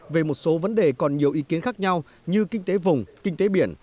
về một số vấn đề còn nhiều ý kiến khác nhau như kinh tế vùng kinh tế biển